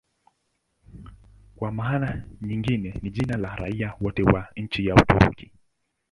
Kwa maana nyingine ni jina la raia wote wa nchi ya Uturuki.